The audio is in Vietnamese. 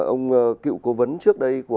ông cựu cố vấn trước đây